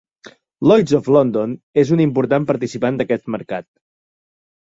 Lloyd's of London és un important participant d'aquest mercat.